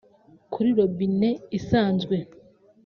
Kuri robinet isanzwe